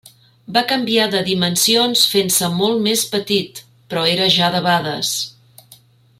Va canviar de dimensions fent-se molt més petit, però era ja debades.